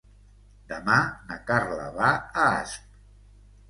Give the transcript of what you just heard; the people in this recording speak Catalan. Demà na Carla va a Asp.